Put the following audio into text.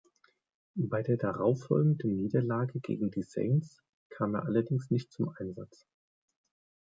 Bei der darauffolgenden Niederlage gegen die Saints kam er allerdings nicht zum Einsatz.